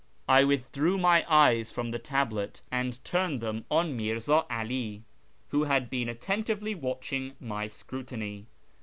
I withdrew my eyes from the tablet and turned them on Mirza 'Ali, who had been attentively watching my scrutiny.